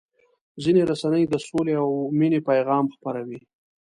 ځینې رسنۍ د سولې او مینې پیغام خپروي.